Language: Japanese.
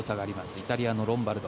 イタリアのロンバルド。